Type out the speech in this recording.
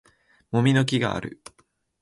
もみの木がある